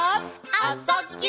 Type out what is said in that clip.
「あ・そ・ぎゅ」